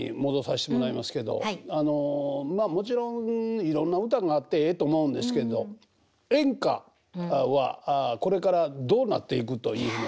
あのまあもちろんいろんな歌があってええと思うんですけど演歌はこれからどうなっていくというふうに思ってはります？